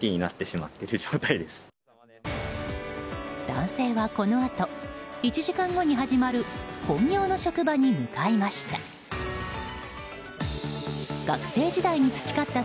男性は、このあと１時間後に始まる本業の職場に向かいました。